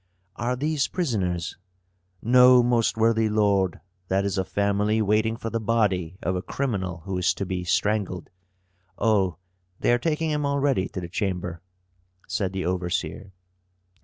"Are these prisoners?" "No, most worthy lord. That is a family waiting for the body of a criminal who is to be strangled oh, they are taking him already to the chamber," said the overseer.